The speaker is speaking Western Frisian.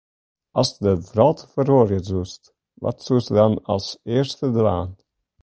Ast de wrâld feroarje soest, wat soest dan as earste dwaan?